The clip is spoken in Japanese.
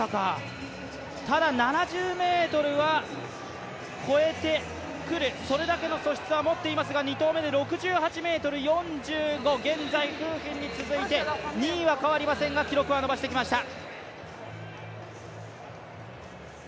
ただ７０ｍは越えてくるそれだけの素質は持っていますが、２投目で６８ｍ４０の現在、馮彬に続いて２位は変わりませんが記録は伸ばしてきました。